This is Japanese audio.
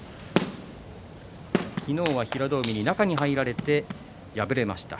昨日は平戸海に中に入られて敗れました。